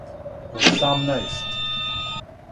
осамнаест